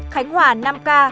khánh hòa năm ca